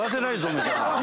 みたいな。